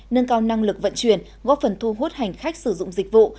nâng cao năng lực vận chuyển góp phần thu hút hành khách sử dụng dịch vụ